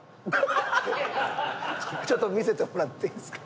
ちょっと見せてもらっていいですか？